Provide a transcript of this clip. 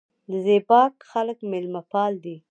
د زیباک خلک میلمه پال دي